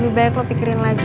lebih baik lo pikirin lagi